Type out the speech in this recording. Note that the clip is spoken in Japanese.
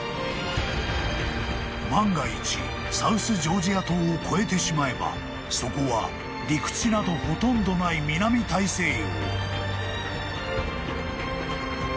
［万が一サウスジョージア島を越えてしまえばそこは陸地などほとんどない南大西洋］